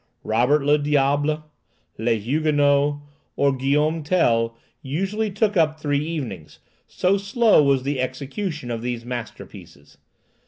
"Robert le Diable," "Les Huguenots," or "Guillaume Tell" usually took up three evenings, so slow was the execution of these masterpieces.